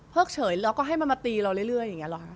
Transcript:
เพิกเฉยแล้วก็ให้มันมาตีเราเรื่อยอย่างเงี้ย